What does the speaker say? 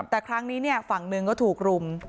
แต่ครั้งนี้ฝั่งหนึ่งก็ถูกรุม